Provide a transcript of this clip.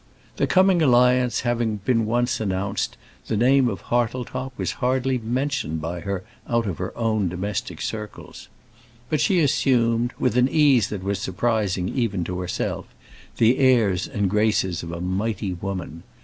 The coming alliance having been once announced, the name of Hartletop was hardly mentioned by her out of her own domestic circle. But she assumed, with an ease that was surprising even to herself, the airs and graces of a mighty woman.